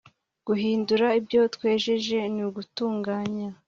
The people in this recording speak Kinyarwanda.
guhindura ibyo twejeje n'ugutunganya